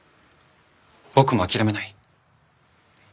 僕も諦めない。